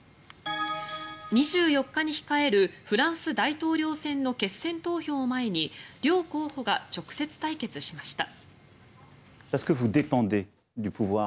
２４日に控えるフランス大統領選の決選投票を前に両候補が直接対決しました。